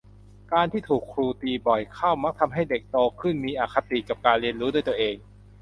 การที่ถูกครูตีบ่อยเข้ามักทำให้เด็กโตขึ้นมีอคติกับการเรียนรู้ด้วยตัวเอง